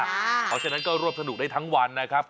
เพราะฉะนั้นก็รวบสนุกได้ทั้งวันนะครับ